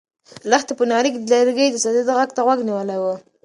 لښتې په نغري کې د لرګیو د سوزېدو غږ ته غوږ نیولی و.